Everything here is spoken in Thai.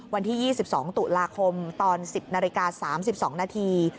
วันที่๒๒ตุลาคมตอน๑๐นาฬิกา๓๒นาที